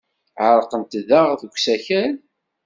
Ɛerqent daɣ deg usakal?